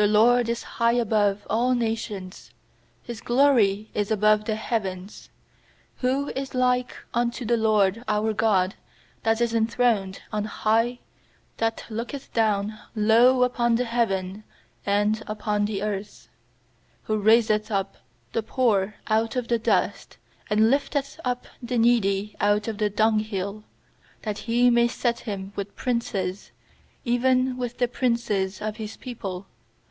4The LORD is high above all nations, His glory is above the heavens. 5Who is like unto the LORD our God, That is enthroned on high, 6That looketh down low Upon heaven and upon the earth? raiseth up the poor out of the dust, And lifteth up the needy out of the dunghill; 8That He may set him with princes, Even with the princes of His people.